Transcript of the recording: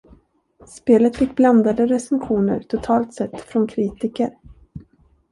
Spelet fick blandade recensioner totalt sett från kritiker.